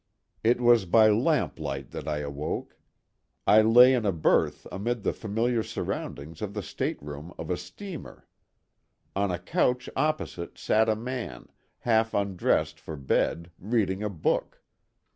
It was by lamplight that I awoke. I lay in a berth amid the familiar surroundings of the stateroom of a steamer. On a couch opposite sat a man, half undressed for bed, reading a book.